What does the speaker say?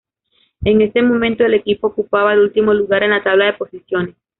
En ese momento el equipo ocupaba el último lugar en la tabla de posiciones.